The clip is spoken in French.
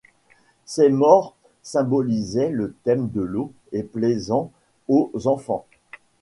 Seymore symbolisait le thème de l'eau et plaisant aux enfants.